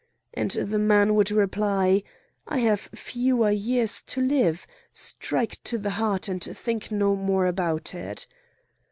and the man would reply: "I have fewer years to live! Strike to the heart, and think no more about it!"